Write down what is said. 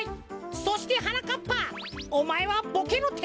そしてはなかっぱおまえはボケのてんさいだ！